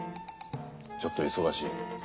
ちょっと忙しい。